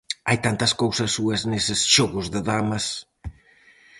Hai tantas cousas súas neses "Xogos de damas"!